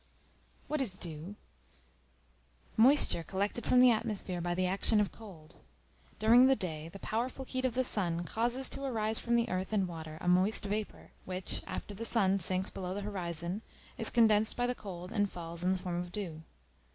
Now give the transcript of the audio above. What is Dew? Moisture collected from the atmosphere by the action of cold. During the day, the powerful heat of the sun causes to arise from the earth and water a moist vapor, which, after the sun sinks below the horizon, is condensed by the cold, and falls in the form of dew.